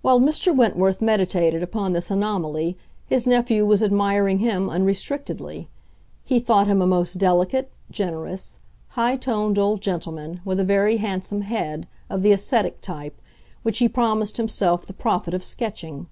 While Mr. Wentworth meditated upon this anomaly his nephew was admiring him unrestrictedly. He thought him a most delicate, generous, high toned old gentleman, with a very handsome head, of the ascetic type, which he promised himself the profit of sketching.